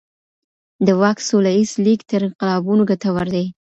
د واک سوله ييز لېږد تر انقلابونو ګټور دی.